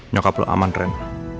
nyokap lu aman ren